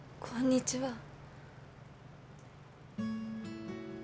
こんにちは。